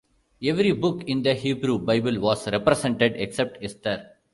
Every book in the Hebrew Bible was represented except Esther.